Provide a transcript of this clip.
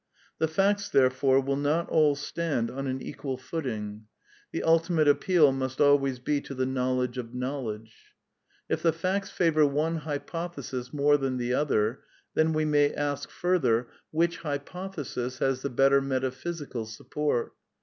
The facts, therefore, will not all stand on an equal f oot 290 CONCLUSIONS 291 ing. The ultimate appeal must always be to the knowl edge of knowledge. If the facts favour one hypothesis more than the other, then we may ask further, which hypothesis has the better metaphysical support?